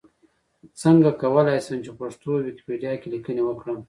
څنګه کولای شم چې پښتو ويکيپېډيا کې ليکنې وکړم؟